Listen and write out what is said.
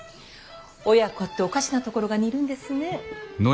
親子っておかしなところが似るんですね。